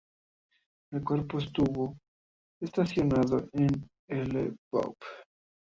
El cuerpo estuvo estacionado en Lvov.